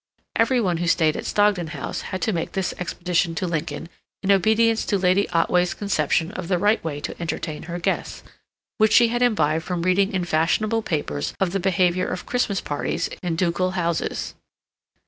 Every one who stayed at Stogdon House had to make this expedition to Lincoln in obedience to Lady Otway's conception of the right way to entertain her guests, which she had imbibed from reading in fashionable papers of the behavior of Christmas parties in ducal houses.